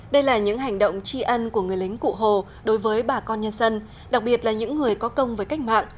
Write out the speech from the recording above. đây là những hành động tri ân của người lính cụ hồ đối với bà con nhân dân đặc biệt là những người có công với cách mạng